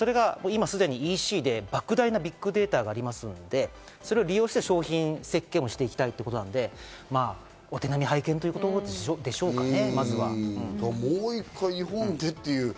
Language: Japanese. それが今すでにＥＣで莫大なビッグデータがありますので、それを利用して商品設計もしていきたいということなので、お手並み拝見というもう１回日本でっていう。